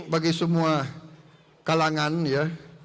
bagi semua kalangan ya